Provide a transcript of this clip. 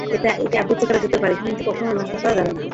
একে আবৃত করা যেতে পারে, কিন্তু কখনও নষ্ট করা যায় না।